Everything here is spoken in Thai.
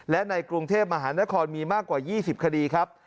และในกรุงเทพมหานครมีมากกว่า๒๐คดีครับ